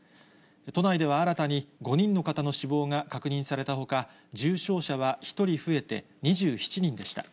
都内では新たに５人の方の死亡が確認されたほか、重症者は１人増えて２７人でした。